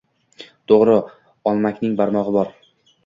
To'g'ri, "Olmakning barmog'i bor"